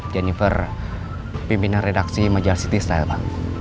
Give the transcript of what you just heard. jennifer pimpinan redaksi majalah city saya pak